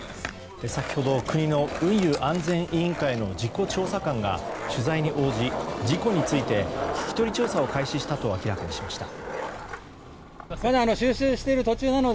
先ほど国の運輸安全委員会の事故調査官が取材に応じ、事故について聞き取り調査を開始したと明らかにしました。